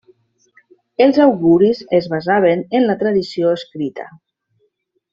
Els auguris es basaven en la tradició escrita.